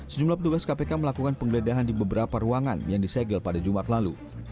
sejumlah petugas kpk melakukan penggeledahan di beberapa ruangan yang disegel pada jumat lalu